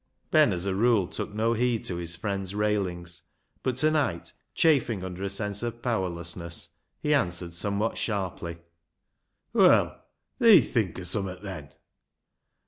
Ben as a rule took no heed to his friend's railings, but to night, chafing under a sense of powerlessness, he answered somewhat sharply —" Well, thee think o' summat then